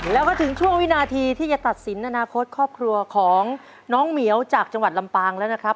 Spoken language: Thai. แล้วก็ถึงช่วงวินาทีที่จะตัดสินอนาคตครอบครัวของน้องเหมียวจากจังหวัดลำปางแล้วนะครับ